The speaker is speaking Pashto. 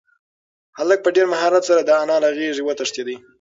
هلک په ډېر مهارت سره د انا له غېږې وتښتېد.